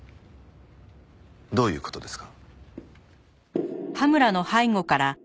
どういう事ですか？